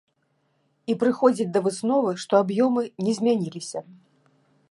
І прыходзіць да высновы, што аб'ёмы не змяніліся!